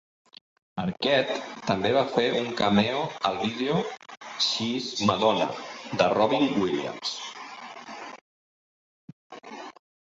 Arquette també va fer un cameo al vídeo "She's Madonna" de Robbie Williams.